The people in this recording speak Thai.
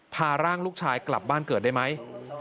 พาร่างลูกชายกลับบ้านเกิดได้ไหม